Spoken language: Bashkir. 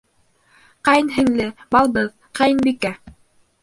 Ҡәйенһеңле, балдыҙ, ҡәйенбикә.